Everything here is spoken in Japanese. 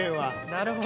なるほど。